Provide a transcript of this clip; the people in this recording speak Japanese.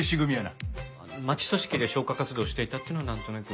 町組織で消火活動をしていたっていうのはなんとなく。